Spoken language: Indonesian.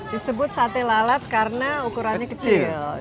disebut sate lalat karena ukurannya kecil